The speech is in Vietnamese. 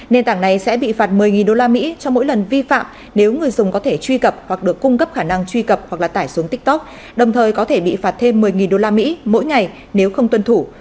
nền tảng này sẽ bị phạt một mươi đô la mỹ cho mỗi lần vi phạm nếu người dùng có thể truy cập hoặc được cung cấp khả năng truy cập hoặc là tải xuống tiktok đồng thời có thể bị phạt thêm một mươi đô la mỹ mỗi ngày nếu không tuân thủ